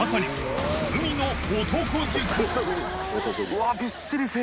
うわっ関）